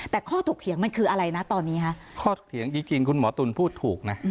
แต่ข้อถกเถียงมันคืออะไรนะตอนนี้ฮะข้อเถียงจริงคุณหมอตุ๋นพูดถูกนะ